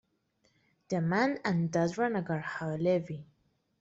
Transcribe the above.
Daman and Dadra-nagar haveli.